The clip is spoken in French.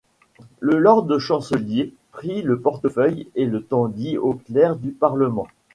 Le lord-chancelier prit le portefeuille et le tendit au clerc du parlement.